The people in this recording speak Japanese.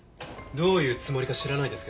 どういうつもりか知らないですけど。